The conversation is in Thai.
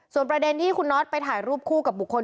ประเด็นที่คุณน็อตไปถ่ายรูปคู่กับบุคคล